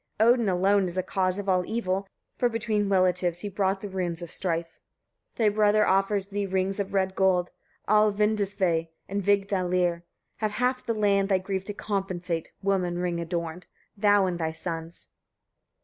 Odin alone is cause of all the evil; for between relatives he brought the runes of strife. 33. Thy brother offers thee rings of red gold, all Vandilsve and Vigdalir: have half the land, thy grief to compensate, woman ring adorned! thou and thy sons.